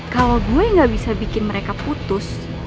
kalau gue gak bisa bikin mereka putus